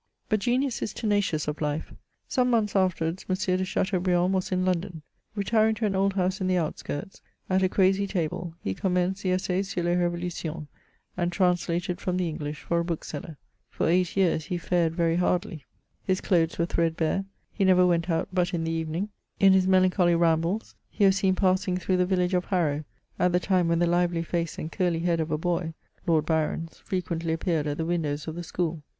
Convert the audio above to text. But genius is tenacious of life. Some months afterwards, M. de Chateaubriand was in London. Retiring to an old house in the outskirts, at a crazy table, he commenced the Essai sur les Revolutions, and translated from the English for a bookseller. For eight years, he fared very hardly : his 14 MEMOIRS OF clothed were threadbare; he never went out but in the evening. In his melanclioly rambles, he was seen passing through the village of Harrow, at the time when the lively face and curly head of a boy — Lord Byron's — frequently appeared at the windows of the school.